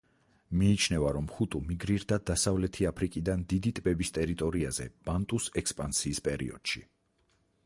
მიიჩნევა, რომ ჰუტუ მიგრირდა დასავლეთი აფრიკიდან დიდი ტბების ტერიტორიაზე ბანტუს ექსპანსიის პერიოდში.